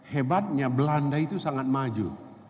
hebatnya belanda itu sangat maju